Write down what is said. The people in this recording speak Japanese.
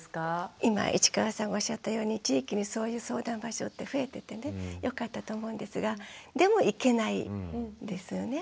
今市川さんがおっしゃったように地域にそういう相談場所って増えててねよかったと思うんですがでも行けないんですよね。